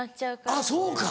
あぁそうか！